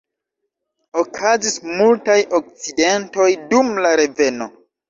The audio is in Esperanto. Okazis multaj akcidentoj dum la reveno.